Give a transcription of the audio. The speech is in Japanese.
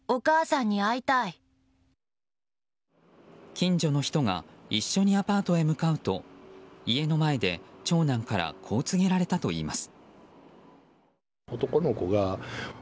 近所の人が一緒にアパートへ向かうと家の前で長男からこう告げられたといいます。